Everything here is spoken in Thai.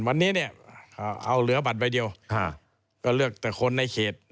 วันนี้เนี่ยเอาเหลือบัตรใบเดียวก็เลือกแต่คนในเขต